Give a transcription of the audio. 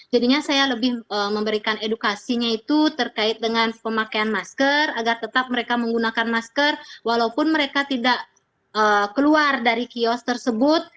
jadinya saya lebih memberikan edukasinya itu terkait dengan pemakaian masker agar tetap mereka menggunakan masker walaupun mereka tidak keluar dari kios tersebut